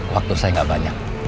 waktu saya gak banyak